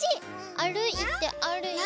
あるいてあるいて。